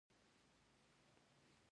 البرز او زاگرس لوی غرونه دي.